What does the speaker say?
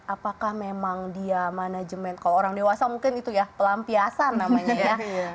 apakah memang dia manajemen kalau orang dewasa mungkin itu ya pelampiasan namanya ya